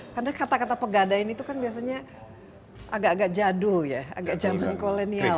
karena kata kata pegadaian itu kan biasanya agak agak jadul ya agak zaman kolonial